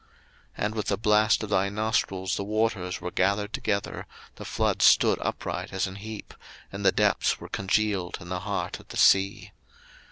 02:015:008 And with the blast of thy nostrils the waters were gathered together, the floods stood upright as an heap, and the depths were congealed in the heart of the sea.